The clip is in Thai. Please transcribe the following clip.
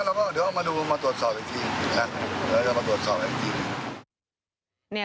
แล้วเราก็เดี๋ยวเอามาดูมาตรวจสอบอย่างนี้